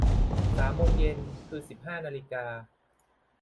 สามโมงเย็น คือสิบห้านาฬิกา